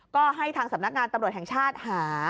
ก็ให้ทางสำนักงานตำรวจแห่งชาติหา